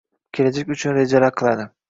kelajak uchun rejalar qiladi.